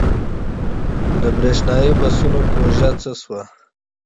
د بریښنايي بسونو پروژه څه شوه؟